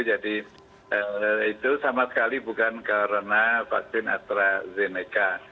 jadi itu sama sekali bukan karena vaksin astrazeneca